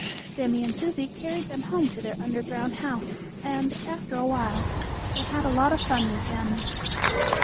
Sammie and Susie carried them home to their underground house, and, after a while, they had a lot of fun with them.